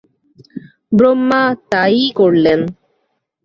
ব্রহ্মা তা-ই করলেন।